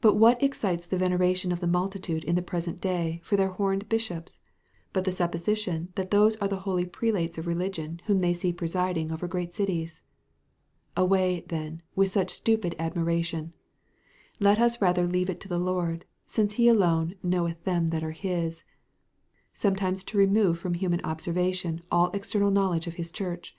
But what excites the veneration of the multitude in the present day for their horned bishops, but the supposition that those are the holy prelates of religion whom they see presiding over great cities? Away, then, with such stupid admiration. Let us rather leave it to the Lord, since he alone "knoweth them that are his," sometimes to remove from human observation all external knowledge of his Church.